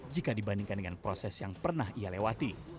jika dibandingkan dengan proses yang pernah ia lewati